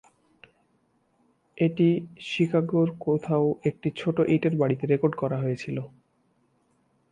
এটি "শিকাগোর কোথাও একটি ছোট ইটের বাড়িতে" রেকর্ড করা হয়েছিল।